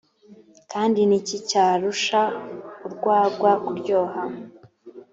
kandi ni iki cyarusha urwagwa kuryoha